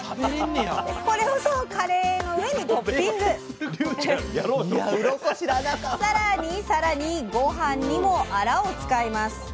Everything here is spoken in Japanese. これをカレーの上にトッピング更に更に御飯にもアラを使います。